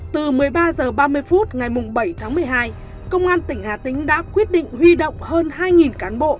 từ một mươi ba h ba mươi phút ngày bảy tháng một mươi hai công an tỉnh hà tĩnh đã quyết định huy động hơn hai cán bộ